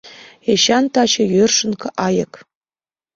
Эчан таче йӧршын айык.